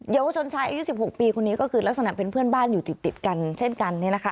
เยาวชนชายอายุ๑๖ปีคนนี้ก็คือลักษณะเป็นเพื่อนบ้านอยู่ติดกันเช่นกัน